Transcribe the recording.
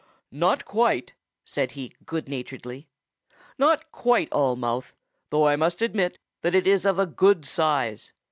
"Not quite," said he good naturedly. "Not quite all mouth, though I must admit that it is of good size.